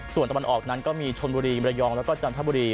ส่วนตะวันออกนั้นก็มีชนบุรีมรยองแล้วก็จันทบุรี